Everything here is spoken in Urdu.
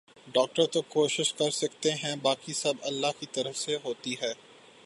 ڈاکٹر تو کوشش کر سکتے ہیں باقی سب اللہ کی طرف سے ھوتی ہے